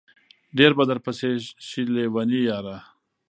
ډېر به درپسې شي لېوني ياره